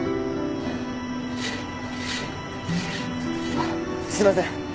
あっすいません。